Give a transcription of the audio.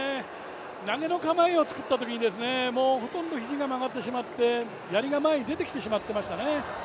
投げの構えを作ったときにもうほとんど肘が曲がってしまってやりが前に出てきてしまっていました、